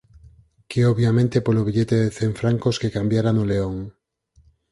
Que obviamente polo billete de cen francos que cambiara no León.